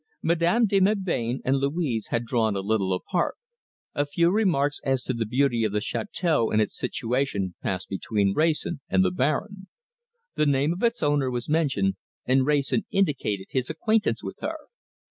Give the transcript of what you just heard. Madame de Melbain and Louise had drawn a little apart; a few remarks as to the beauty of the chateâu and its situation passed between Wrayson and the Baron. The name of its owner was mentioned, and Wrayson indicated his acquaintance with her.